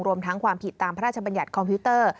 รวมทั้งความผิดตามพระราชบัญญัติคอมพิวเตอร์